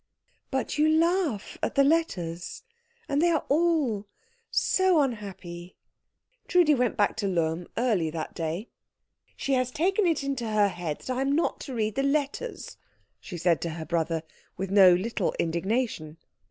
"But you laugh at the letters, and they are all so unhappy." Trudi went back to Lohm early that day. "She has taken it into her head that I am not to read the letters," she said to her brother with no little indignation.